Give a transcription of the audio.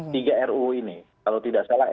tiga ruu ini kalau tidak salah